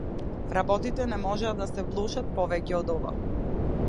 Работите не можат да се влошат повеќе од ова.